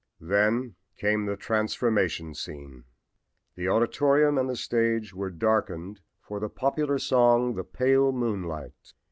Then came the transformation scene! The auditorium and the stage were darkened for the popular song "The Pale Moonlight."